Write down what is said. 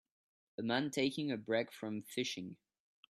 A man taking a break from fishing